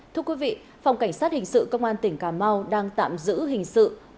thưa quý vị phòng cảnh sát hình sự công an tỉnh cà mau đang tạm giữ hình sự